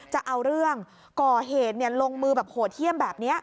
จะเอาเรื่องก่อเหตุลงมือแบบโหดเยี่ยมแบบนี้